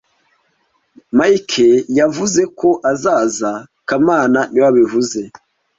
Mike yavuze ko azaza kamana niwe wabivuze